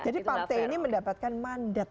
jadi partai ini mendapatkan mandat